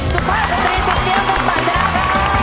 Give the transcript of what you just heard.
สุภาพสตรีสักเกียรติภาคชนะครับ